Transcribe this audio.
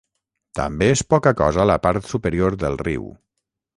També és poca cosa la part superior del riu.